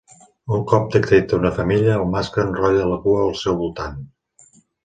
Un cop detecta una femella, el mascle enrotlla la cua al seu voltant.